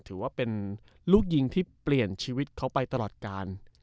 ถือว่าเป็นลูกยิงที่เปลี่ยนชีวิตเขาไปตลอดการ